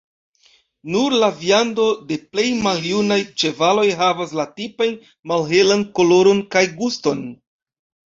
Nur la viando de plej maljunaj ĉevaloj havas la tipajn malhelan koloron kaj guston.